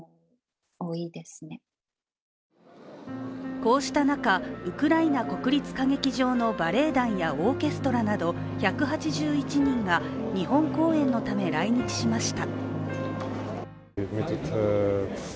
こうした中、ウクライナ国立歌劇場のバレエ団やオーケストラなど１８１人が日本公演のため来日しました。